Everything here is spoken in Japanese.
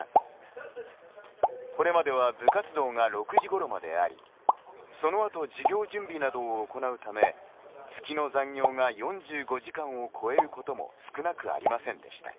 これまでは部活動が６時ごろまでありそのあと授業準備などを行うため月の残業が４５時間を超えることも少なくありませんでした。